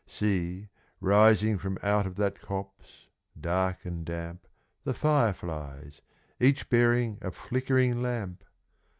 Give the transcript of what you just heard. See, rising from out of that copse, dark and damp, The fire flies, each bearing a flickering lamp!